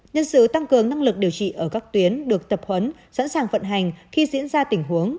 nhân sự tăng cường năng lực điều trị ở các tuyến được tập huấn sẵn sàng vận hành khi diễn ra tình huống